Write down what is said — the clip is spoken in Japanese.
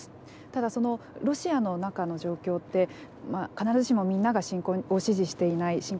ただそのロシアの中の状況って必ずしもみんなが侵攻を支持していない。